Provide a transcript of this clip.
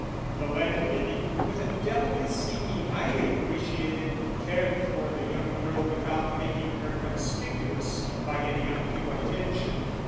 The landlady, with a delicacy he highly appreciated, cared for the young girl without making her conspicuous by any undue attention.